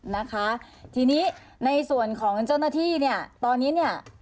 นะคะทีนี้ในส่วนของเจ้าหน้าที่เนี่ยตอนนี้เนี่ย